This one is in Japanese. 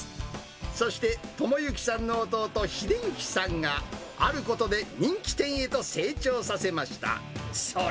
そして智之さんの弟、英之さんが、あることで人気店へと成長させました。